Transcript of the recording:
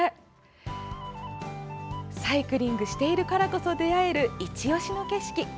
サイクリングしているからこそ出会える、いちオシの景色。